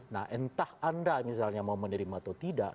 nah entah anda misalnya mau menerima atau tidak